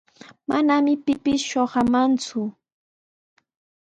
Manami pipis shuqamanku.